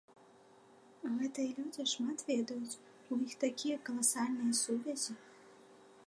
Гэтыя людзі шмат ведаюць, у іх такія каласальныя сувязі.